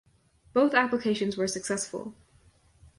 Both applications were successful.